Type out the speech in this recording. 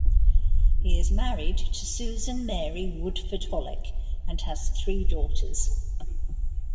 He is married to Susan Mary Woodford-Hollick and has three daughters.